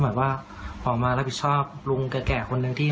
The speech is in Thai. แบบว่าออกมารับผิดชอบลุงแก่คนหนึ่งที่